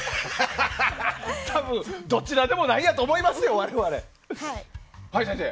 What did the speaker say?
多分、どちらでもないやと思いますよ、我々は。